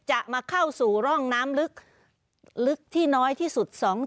จะมาเข้าสู่ร่องน้ำลึกที่น้อยที่สุด